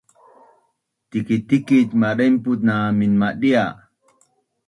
Tikic tikic madainpuc na minmadia